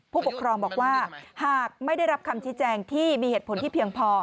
ผู้ปกครองบอกว่าหากไม่ได้รับคำชี้แจงที่มีเหตุผลที่เพียงพอ